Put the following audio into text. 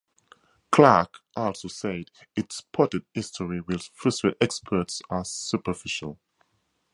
Clarke also said its potted history will "frustrate experts as superficial".